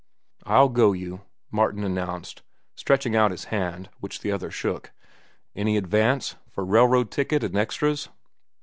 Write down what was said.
"I'll go you," Martin announced, stretching out his hand, which the other shook. "Any advance?—for rail road ticket and extras?"